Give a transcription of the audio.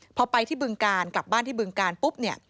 พอไปที่บึงกาลกลับบ้านที่บึงกาลปุ๊บ